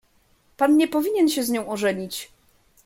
"Pan nie powinien się z nią ożenić."